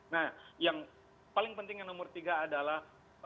nah yang paling penting yang nomor tiga adalah